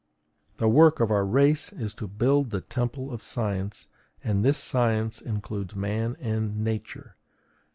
The work of our race is to build the temple of science, and this science includes man and Nature.